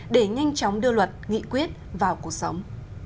để nhanh chóng đưa luật nghị quyết vào cuộc sống